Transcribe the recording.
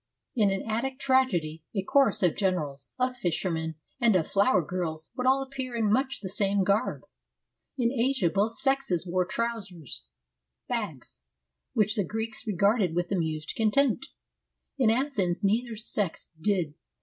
In an Attic tragedy a chorus of generals, of fishermen, and of flower girls would all appear in much the same garb. In Asia both sexes wore trousers (OvXaKoi, ' bags '), which the Greeks regarded with amused contempt. In Athens neither sex did.